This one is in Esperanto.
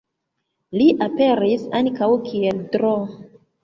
Li aperis ankaŭ kiel Dro.